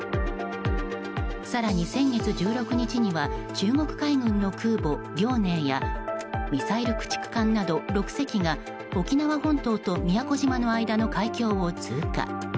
更に、先月１６日には中国海軍の空母「遼寧」やミサイル駆逐艦など６隻が沖縄本島と宮古島の間の海峡を通過。